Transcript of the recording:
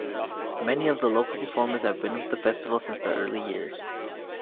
Many of the local performers have been with the festival since the early years.